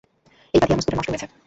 এই গাধি, আমার স্কুটার নষ্ট হয়েছে।